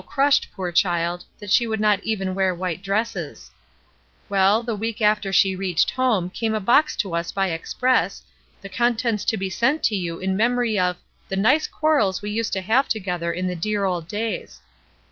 crushed, poor child, that she would not even HOME 289 wear white dresses/ Well, the week after she reached home came a box to us by express, the contents to be sent to you in memory of 'the nice quarrels we used to have together in the dear old days.'